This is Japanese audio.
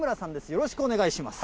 よろしくお願いします。